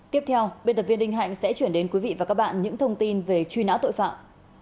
tiếp theo biên tập viên đinh hạnh sẽ chuyển đến quý vị và các bạn những thông tin về truy nã tội phạm